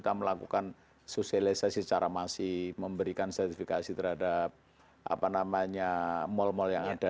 saya bantukan untuk kita melakukan sosialisasi secara masih memberikan sertifikasi terhadap apa namanya mal mal yang ada